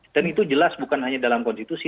dan itu jelas bukan hanya dalam konstitusi